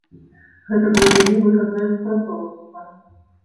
Гэта было вельмі выгаднае супрацоўніцтва.